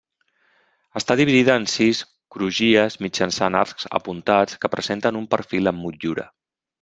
Està dividida en sis crugies mitjançant arcs apuntats que presenten un perfil amb motllura.